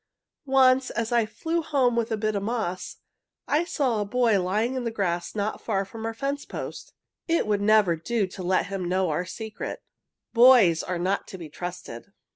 "Once, as I flew home with a bit of moss, I saw a boy lying on the grass not far from our fence post. It would never do to let him know our secret. Boys are not to be trusted.